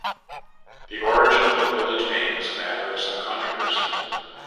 The origin of the village name is a matter of some controversy.